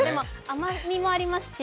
甘みもありますし